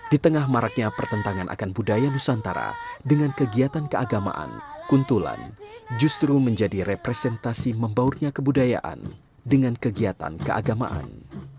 di tengah maraknya pertentangan akan budaya nusantara dengan kegiatan keagamaan kuntulan justru menjadi representasi membaurnya kebudayaan dengan kegiatan keagamaan